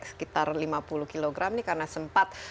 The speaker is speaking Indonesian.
sekitar lima puluh kg ini karena sempat